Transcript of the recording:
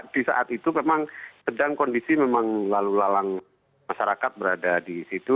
di saat itu memang sedang kondisi memang lalu lalang masyarakat berada di situ